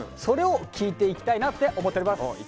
それを聞いていきたいなって思っております。